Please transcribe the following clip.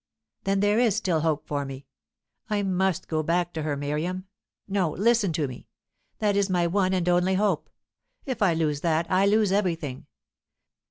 "Then there is still hope for me. I must go back to her, Miriam. No listen to me! That is my one and only hope. If I lose that, I lose everything.